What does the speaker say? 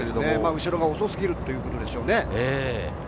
後ろが遅すぎるということでしょうね。